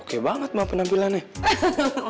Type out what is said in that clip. oke banget mbak penampilannya